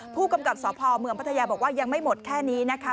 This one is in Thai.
ผู้กำกับสพเมืองพัทยาบอกว่ายังไม่หมดแค่นี้นะคะ